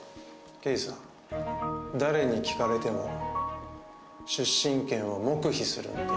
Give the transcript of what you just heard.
刑事さん誰に聞かれても出身県を黙秘するので。